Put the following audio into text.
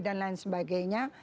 dan lain sebagainya